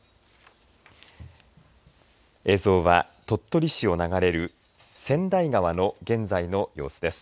映像は鳥取市を流れる千代川の現在の様子です。